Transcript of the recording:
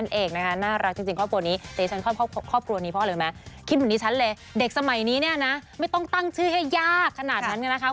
สงสัยจะช่วงนี้เป็นอย่างไรนะฮะนะฮะใช่